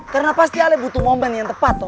karena pasti ale butuh momen yang tepat toh